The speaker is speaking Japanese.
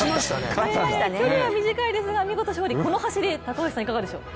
距離は短いですが、見事勝利この走り、いかがでしょう？